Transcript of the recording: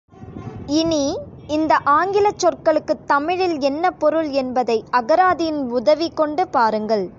இனி, இந்த ஆங்கிலச் சொற்களுக்குத் தமிழில் என்ன பொருள் என்பதை அகராதியின் உதவி கொண்டு பாருங்கள்.